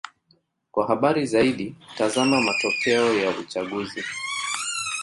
Kwa habari zaidi: tazama matokeo ya uchaguzi.